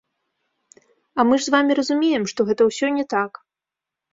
А мы ж з вамі разумеем, што гэта ўсё не так!